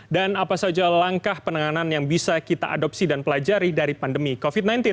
dan apa saja langkah penanganan yang bisa kita adopsi dan pelajari dari pandemi covid sembilan belas